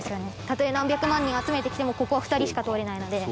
たとえ何百万人集めてきてもここは２人しか通れないので。